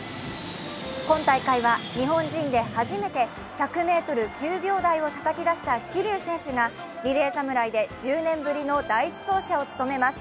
今大会は日本人で初めて１００ｍ９秒台をたたき出した桐生選手がリレー侍で１０年ぶりの第１走者を務めます。